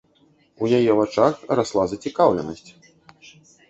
У яе вачах расла зацікаўленасць.